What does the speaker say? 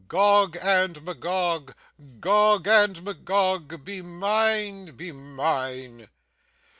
'Gog and Magog, Gog and Magog. Be mine, be mine!